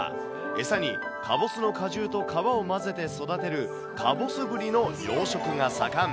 餌にかぼすの果汁と皮を混ぜて育てるかぼすブリの養殖が盛ん。